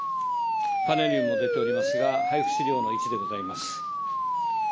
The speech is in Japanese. パネルにも出ておりますが、配布資料の１でございます。